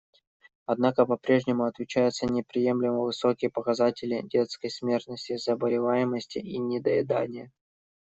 Однако попрежнему отмечаются неприемлемо высокие показатели детской смертности, заболеваемости и недоедания.